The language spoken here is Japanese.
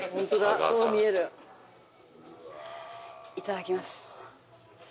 いただきます。